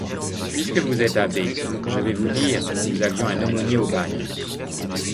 Puisque vous êtes abbé, je vais vous dire, nous avions un aumônier au bagne.